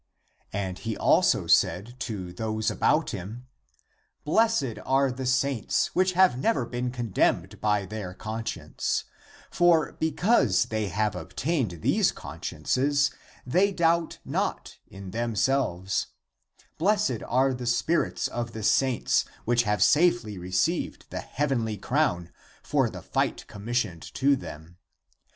And he also said to those about him, " Blessed are the saints, which have never been condemned by their souls (conscience) ; for because they have ob 302 THE APOCRYPHAL ACTS tained these (not condemning consciences), they doubt not in themselves. Blessed are the spirits of the saints which have safely received the heavenly crown for the fight commissioned to them.